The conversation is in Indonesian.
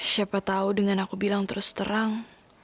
siapa tahu dengan aku bilang terus terang